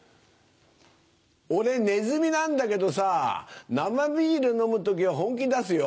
俺ネズミなんだけどさ生ビール飲む時は本気出すよ。